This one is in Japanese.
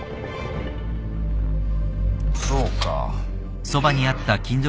そうか。